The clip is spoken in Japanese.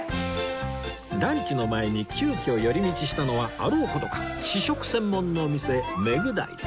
ランチの前に急きょ寄り道したのはあろう事か試食専門のお店メグダイ